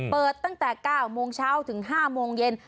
เปิดตั้งแต่๙โมงเช้าถึง๕โมงเย็น